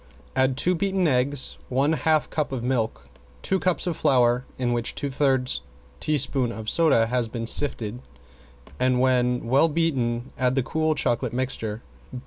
Add two beaten eggs, one half cup of milk, two cups of flour in which two thirds teaspoon of soda has been sifted, and when well beaten add the cool chocolate mixture.